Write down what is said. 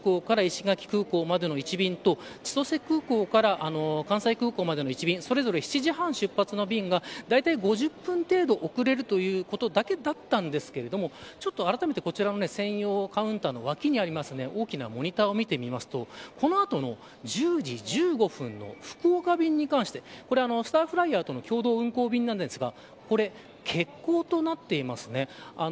沖縄空港から石垣空港までの１便と千歳空港から関西空港までの１便それぞれ７時半出発の便がだいたい５０分程度遅れるということだけだったんですけれどもあらためて、こちらの専用カウンターの脇にある大きなモニターを見てみるとこの後の１０時１５分の福岡便に関してこれはスターフライヤーとの共同運航便なんですが欠航となっていますね。